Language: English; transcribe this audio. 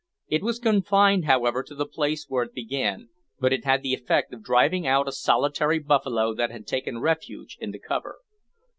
It was confined, however, to the place where it began, but it had the effect of driving out a solitary buffalo that had taken refuge in the cover.